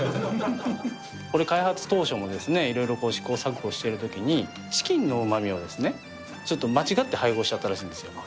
これ、開発当初もいろいろ試行錯誤しているときに、チキンのうまみをですね、ちょっと間違って配合しちゃったらしいんですよ。